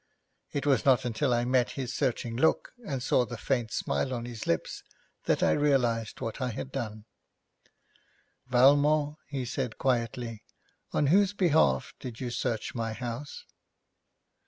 It was not until I met his searching look, and saw the faint smile on his lips that I realised what I had done. 'Valmont,' he said quietly, 'on whose behalf did you search my house?'